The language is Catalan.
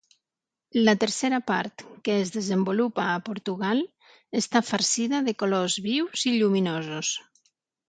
La tercera part, que es desenvolupa a Portugal, està farcida de colors vius i lluminosos.